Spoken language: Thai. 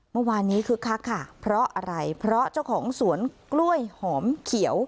เมื่อวานนี้คึกคักค่ะเพราะอะไรเพราะเจ้าของสวนกล้วยหอมเขียว